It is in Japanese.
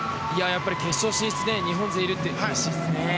決勝進出に日本勢がいるってうれしいですね。